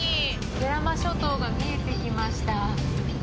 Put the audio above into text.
慶良間諸島が見えてきました。